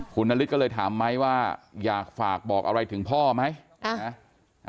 คุณนฤทธิก็เลยถามไม้ว่าอยากฝากบอกอะไรถึงพ่อไหม